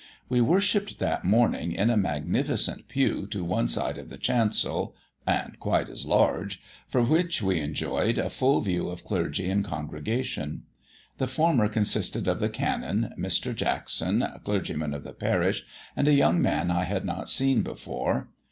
We worshipped that morning in a magnificent pew to one side of the chancel, and quite as large, from which we enjoyed a full view of clergy and congregation. The former consisted of the Canon, Mr. Jackson, clergyman of the parish, and a young man I had not seen before.